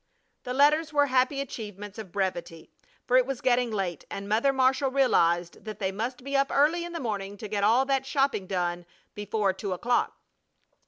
The letters were happy achievements of brevity, for it was getting late, and Mother Marshall realized that they must be up early in the morning to get all that shopping done before two o'clock.